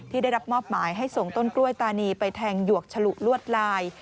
ได้รับมอบหมายให้ส่งต้นกล้วยตานีไปแทงหยวกฉลุลวดลาย